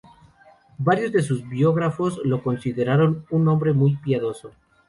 Varios de sus biógrafos lo consideraron un hombre muy piadoso.